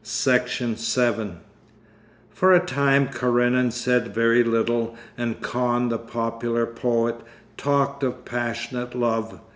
Section 7 For a time Karenin said very little, and Kahn, the popular poet, talked of passionate love.